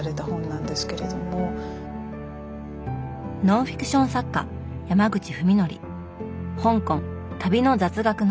ノンフィクション作家山口文憲「香港旅の雑学ノート」。